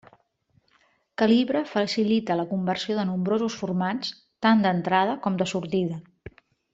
Calibre facilita la conversió de nombrosos formats, tant d'entrada com de sortida.